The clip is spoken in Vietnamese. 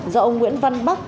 do ông nguyễn văn bắc